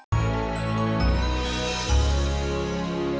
ketemu lagi di film